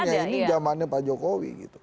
ya ini jamannya pak jokowi gitu